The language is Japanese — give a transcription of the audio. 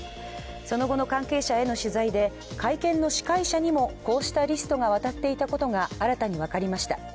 その後の関係者への取材で会見の司会者にもこうしたリストが渡っていたことが新たに分かりました。